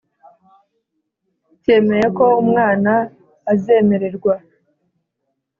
cyemeye ko umwana azemererwa